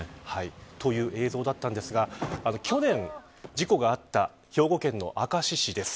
という映像だったんですが去年事故があった兵庫県の明石市です。